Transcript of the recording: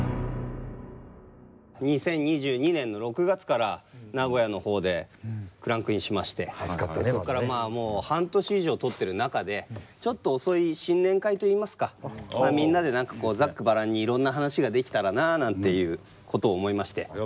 ２０２２年の６月から名古屋の方でクランクインしましてそこからまあもう半年以上撮ってる中でちょっと遅い新年会といいますかみんなで何かこうざっくばらんにいろんな話ができたらなあなんていうことを思いまして。